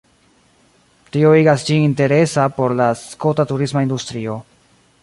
Tio igas ĝin interesa por la skota turisma industrio.